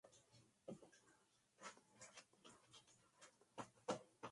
Soilwork inicio una gira por Europa en el verano.